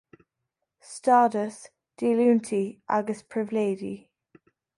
Stádas, Díolúintí agus Pribhléidí.